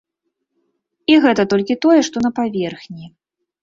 І гэта толькі тое, што на паверхні.